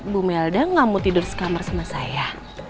bu melda gak mau tidur sekamar sama saya